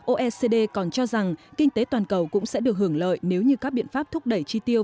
oecd còn cho rằng kinh tế toàn cầu cũng sẽ được hưởng lợi nếu như các biện pháp thúc đẩy chi tiêu